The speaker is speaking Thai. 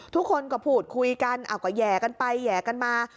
ทุกคนก็พูดคุยกันก็แห่กันไปแห่กันมา